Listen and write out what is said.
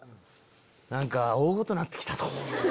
何か大ごとなって来たど。